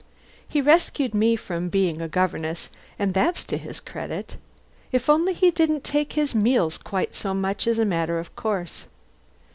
He rescued me from being a governess, and that's to his credit. If only he didn't take his meals quite so much as a matter of course...."